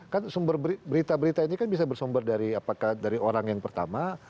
kan sumber berita berita ini kan bisa bersumber dari apakah dari orang yang pertama